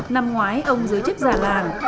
năm ngoái ông giới chức già làng